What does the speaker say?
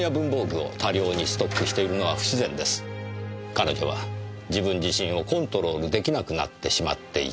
彼女は自分自身をコントロールできなくなってしまっていた。